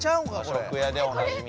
和食やでおなじみ。